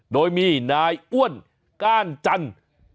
โดยมีนายอ้วนก้านจันทร์